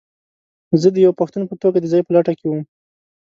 زه د یوه پښتون په توګه د ځاى په لټه کې وم.